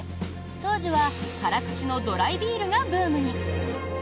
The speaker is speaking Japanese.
当時は辛口のドライビールがブームに。